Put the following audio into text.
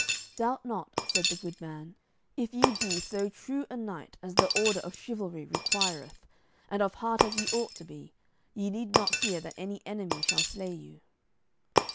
"Doubt not," said the good man, "if ye be so true a knight as the order of chivalry requireth, and of heart as ye ought to be, ye need not fear that any enemy shall slay you."